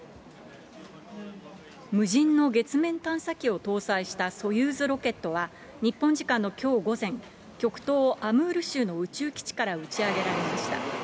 無人の月面探査機を搭載したソユーズロケットは、日本時間のきょう午前、極東アムール州の宇宙基地から打ち上げられました。